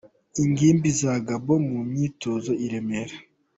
Ingimbi za Gabon mu myitozo i Remera.